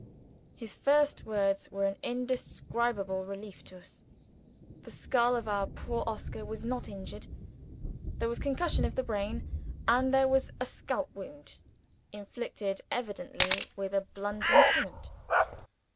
His first words were an indescribable relief to us. The skull of our poor Oscar was not injured. There was concussion of the brain, and there was a scalp wound inflicted evidently with a blunt instrument.